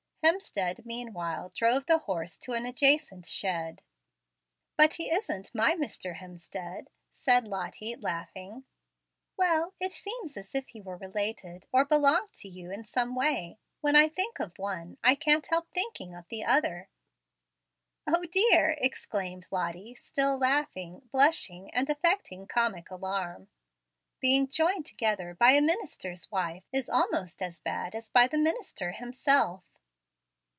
Hemstead meanwhile drove the horse to an adjacent shed. "But he isn't my Mr. Hemstead," said Lottie, laughing. "Well, it seems as if he were related, or belonged to you in some way. When I think of one, I can't help thinking of the other." "O dear!" exclaimed Lottie, still laughing, blushing, and affecting comic alarm; "being joined together by a minister's wife is almost as bad as by the minister himself."